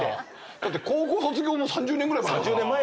だって高校卒業も３０年ぐらい前だから。